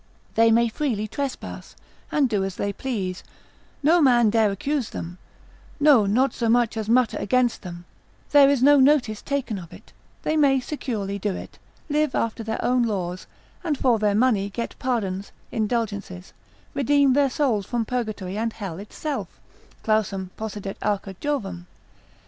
They may freely trespass, and do as they please, no man dare accuse them, no not so much as mutter against them, there is no notice taken of it, they may securely do it, live after their own laws, and for their money get pardons, indulgences, redeem their souls from purgatory and hell itself,—clausum possidet arca Jovem.